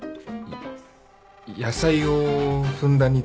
野菜をふんだんに使った。